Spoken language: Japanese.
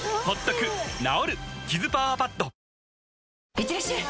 いってらっしゃい！